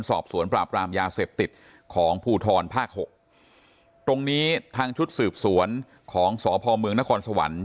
สอบสวนปราบรามยาเสพติดของภูทรภาคหกตรงนี้ทางชุดสืบสวนของสพเมืองนครสวรรค์